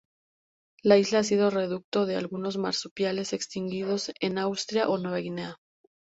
La isla ha sido reducto de algunos marsupiales extinguidos en Australia o Nueva Guinea.